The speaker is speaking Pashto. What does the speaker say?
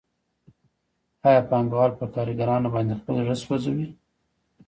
آیا پانګوال په کارګرانو باندې خپل زړه سوځوي